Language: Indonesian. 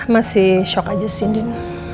masih shock aja sih